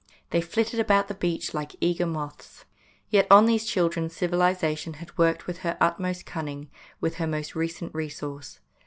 They flitted about the beach like eager moths. Yet on these children Civilisation had worked with her utmost cunning, with her most recent resource.